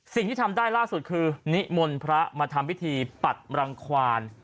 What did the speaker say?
สิ่งที่ทำได้ล่าสุดคือนิมนต์พระมาทำพิธีปัดรังควาน